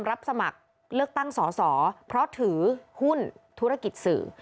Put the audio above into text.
รับสมัครเลือกตั้งสอสอเพราะถือหุ้นธุรกิจสื่อ